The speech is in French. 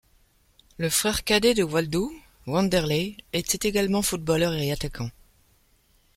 Le frère cadet de Waldo, Wanderley, était également footballeur et attaquant.